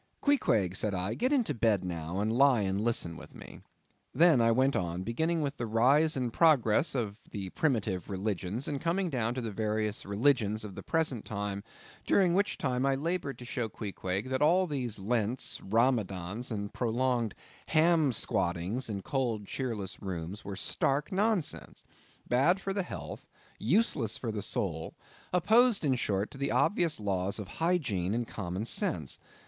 "Queequeg," said I, "get into bed now, and lie and listen to me." I then went on, beginning with the rise and progress of the primitive religions, and coming down to the various religions of the present time, during which time I labored to show Queequeg that all these Lents, Ramadans, and prolonged ham squattings in cold, cheerless rooms were stark nonsense; bad for the health; useless for the soul; opposed, in short, to the obvious laws of Hygiene and common sense.